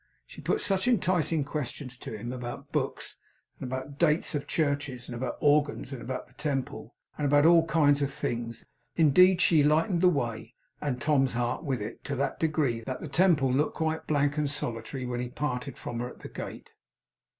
She put such enticing questions to him; about books, and about dates of churches, and about organs and about the Temple, and about all kinds of things. Indeed, she lightened the way (and Tom's heart with it) to that degree, that the Temple looked quite blank and solitary when he parted from her at the gate.